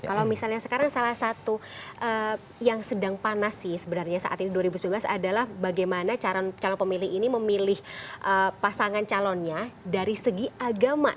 kalau misalnya sekarang salah satu yang sedang panas sih sebenarnya saat ini dua ribu sembilan belas adalah bagaimana calon pemilih ini memilih pasangan calonnya dari segi agama